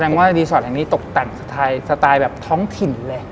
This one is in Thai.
ว่ารีสอร์ทแห่งนี้ตกแต่งสไตล์แบบท้องถิ่นเลย